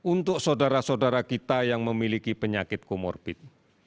untuk saudara saudara kita yang memiliki penyakit komorbid